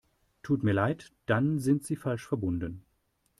Tut mir leid, dann sind Sie falsch verbunden.